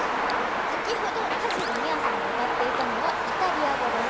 先ほど田尻美愛さんが歌っていたのはイタリア語です。